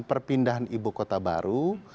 perpindahan ibu kota baru